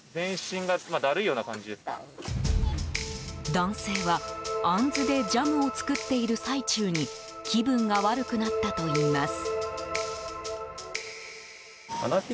男性は、あんずでジャムを作っている最中に気分が悪くなったといいます。